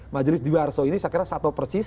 majelis di wiharso ini saya kira satu persis